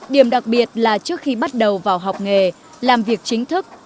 điểm đặc biệt là trước khi bắt đầu vào học nghề làm việc chính thức